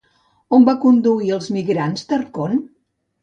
On va conduir els migrants, Tarcont?